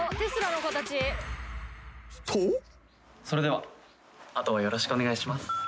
「それでは後はよろしくお願いします」